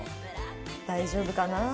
大丈夫かなあ？